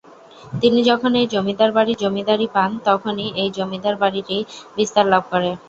তিনি যখন এই জমিদার বাড়ির জমিদারি পান তখনই এই জমিদার বাড়িটি বিস্তার লাভ করে।